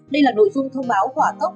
đây là nội dung thông báo hỏa tốc